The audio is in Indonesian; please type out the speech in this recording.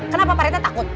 kenapa pak rt takut